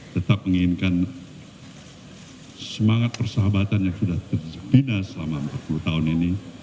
tetap menginginkan semangat persahabatan yang sudah terjepina selama empat puluh tahun ini